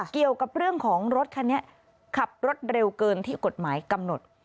เกี่ยวกับเรื่องของรถคันนี้ขับรถเร็วเกินที่กฎหมายกำหนด